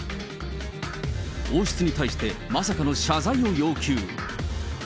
王室に対して、まさかの謝罪を要求。